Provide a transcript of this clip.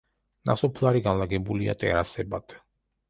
ნასოფლარი განლაგებულია ტერასებად.